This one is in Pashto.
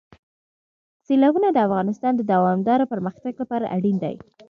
سیلابونه د افغانستان د دوامداره پرمختګ لپاره اړین دي.